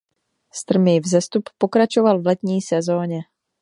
Strmý vzestup pokračoval v letní sezóně.